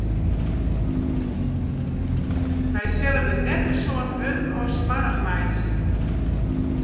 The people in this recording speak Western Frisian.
Wy sille der net in soad wurden oan smoarch meitsje.